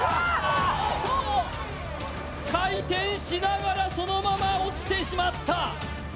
回転しながらそのまま落ちてしまった。